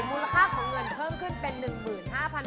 มูลค่าของเงินเพิ่มขึ้นเป็น๑๕๐๐บาท